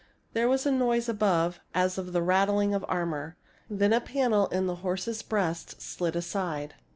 There was a noise above as of the rattling of armor. Then a panel in the horse's breast slid aside.